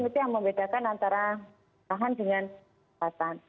ini yang membedakan antara peradahan dengan kelebatan